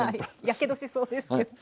やけどしそうですけど。